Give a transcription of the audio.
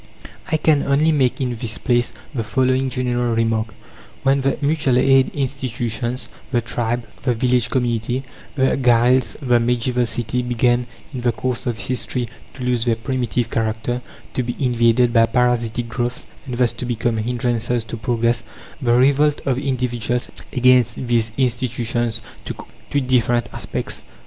I can only make in this place the following general remark: When the Mutual Aid institutions the tribe, the village community, the guilds, the medieval city began, in the course of history, to lose their primitive character, to be invaded by parasitic growths, and thus to become hindrances to progress, the revolt of individuals against these institutions took always two different aspects.